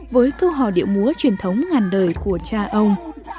với câu hò điệu múa truyền thống ngàn đời của cha ông